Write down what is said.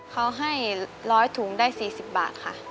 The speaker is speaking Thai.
เขาให้ร้อยถุงได้สี่สิบบาทค่ะ